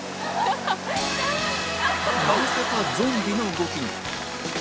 なぜかゾンビの動きに